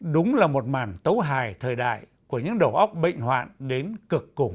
đúng là một màn tấu hài thời đại của những đầu óc bệnh hoạn đến cực cục